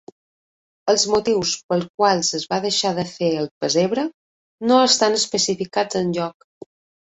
Els motius pels quals es va deixar de fer el pessebre no estan especificats enlloc.